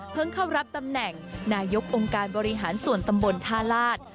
เข้ารับตำแหน่งนายกองค์การบริหารส่วนตำบลท่าลาศ